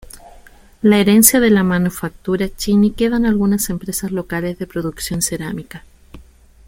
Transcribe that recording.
La herencia de la manufactura Chini queda en algunas empresas locales de producción cerámica.